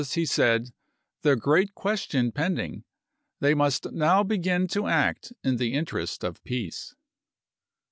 he said, the great question pend ing — they must now begin to act in the interest of peace.